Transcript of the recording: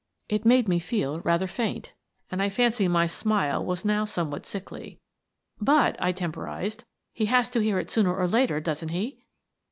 It made me feel rather faint, and I fancy my smile was now somewhat sickly. " But," I temporized, " he has to hear it sooner or later, doesn't he?"